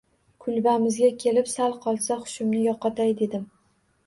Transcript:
Kulbamizga kelib, sal qolsa hushimni yo`qotay dedim